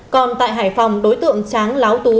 còn tại hải phòng đối tượng tráng láo tú